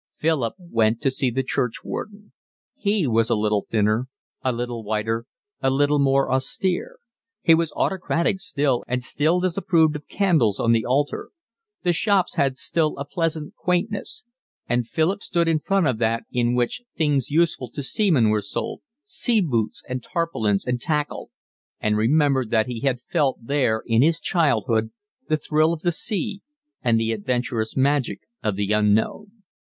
Philip went to see the churchwarden. He was a little thinner, a little whiter, a little more austere; he was autocratic still and still disapproved of candles on the altar. The shops had still a pleasant quaintness; and Philip stood in front of that in which things useful to seamen were sold, sea boots and tarpaulins and tackle, and remembered that he had felt there in his childhood the thrill of the sea and the adventurous magic of the unknown.